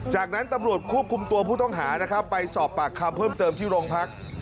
จากนั้นตำรวจควบคุมตัวผู้ต้องหานะครับไปสอบปากคำเพิ่มเติมที่โรงพัก